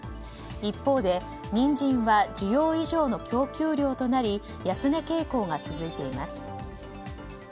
一方でニンジンは需要以上の供給量となり安値傾向が続いています。